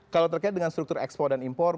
kalau terkait dengan struktur ekspor dan impor